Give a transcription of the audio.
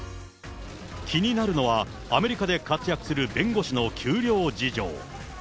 気になるのは、アメリカで活躍する弁護士の給料事情。